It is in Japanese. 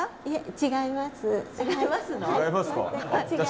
違いますか。